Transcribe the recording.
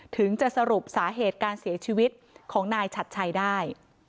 ถึงจะสรุปสาเหตุการเสียชีวิตของนายชัดชัยได้